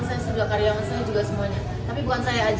selesai sudah karyawan saya juga semuanya